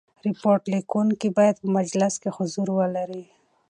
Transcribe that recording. ریپورټ لیکوونکی باید په مجلس کي حضور ولري.